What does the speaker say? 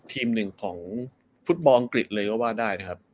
ทีมหนึ่งของฟุตบอลอังกฤษเลยก็ว่าได้นะครับ